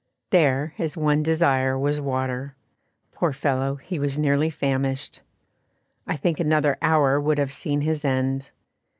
There his one desire was water. Poor fellow! he was nearly famished. I think another hour would have seen his end.